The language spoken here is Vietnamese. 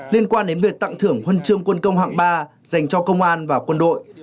liên quan đến việc tặng thưởng huân chương quân công hạng ba dành cho công an và quân đội